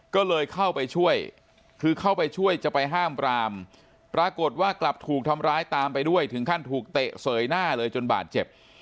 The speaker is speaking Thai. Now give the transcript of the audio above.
ก็เลยเข้าไปช่วยคือเข้าไปช่วยจะไปห้ามปรามปรากฏว่ากลับถูกทำร้ายตามไปด้วยถึงขั้นถูกเตะเสยหน้าเลยจนบาดเจ็บ